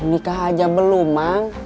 nikah aja belum mang